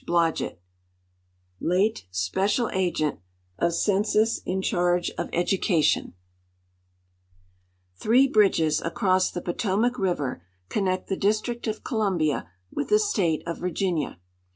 Blodgett, Late Special Agent of Census in Charge of Education Three bridjies across the Potomac river connect the District of Columbia witli the State of Virginia.